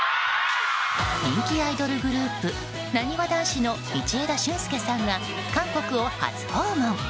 人気アイドルグループなにわ男子の道枝駿佑さんが韓国を初訪問。